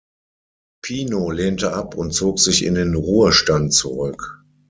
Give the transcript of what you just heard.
Pino lehnte ab und zog sich in den Ruhestand zurück.